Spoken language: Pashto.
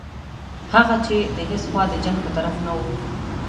هغه چې د هیڅ خوا د جنګ په طرف نه وو.